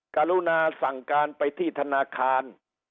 กรุณาสั่งการไปที่ธนาคาร